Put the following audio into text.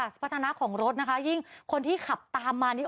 พัฒนาของรถนะคะยิ่งคนที่ขับตามมานี่